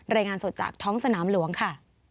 รายงานสดจากท้องสนามหลวงค่ะ